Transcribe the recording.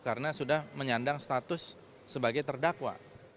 karena sudah menyandang status sebagai terdakwa